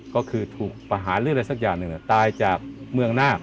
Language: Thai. ก็คือถูกประหารหรืออะไรสักอย่างหนึ่งตายจากเมืองนาค